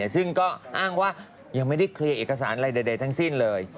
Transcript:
ซึ่งก็อ้างว่ายังไม่ได้เคลียร์เอกสารอะไรใดทั้งสิ้นเลย